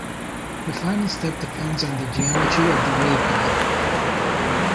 The final step depends on the geometry of the waveguide.